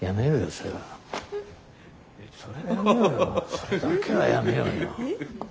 それだけはやめようよ。